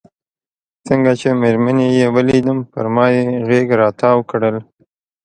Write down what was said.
څنګه چې مېرمنې یې ولیدم پر ما یې غېږ را وتاو کړل.